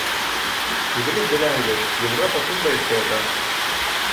Үҙегеҙ беләһегеҙ, Европа көнбайышта ята.